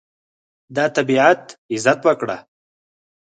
د طبیعت عزت وکړه.